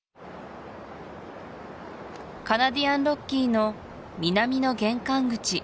カナディアンロッキーの南の玄関口